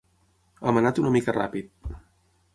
Hem anat una mica ràpid.